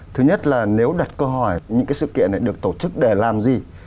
thứ nhất là nếu đặt câu hỏi những cái sự kiện này được tổ chức để làm gì